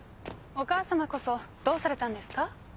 お母様こそどうされたんですか？